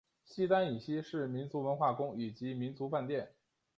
西单以西是民族文化宫以及民族饭店。